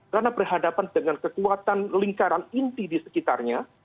karena berhadapan dengan kekuatan lingkaran inti di sekitarnya